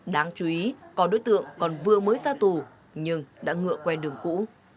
đáng chú ý có đối tượng còn vừa mới ra tù nhưng đã ngựa quen đường cũ